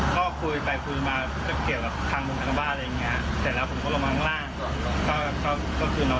ก็หาผู้ไข่เลยครับเขาบนปวดท้องกันเมื่อคืนนะคะ